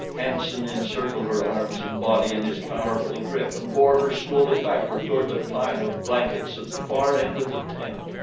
Hanson encircled her arms and body in his powerful grip and bore her slowly backward toward the pile of blankets at the far end of the tent.